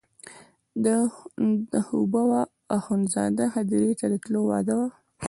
د حبوا اخندزاده هدیرې ته د تلو وعده وه.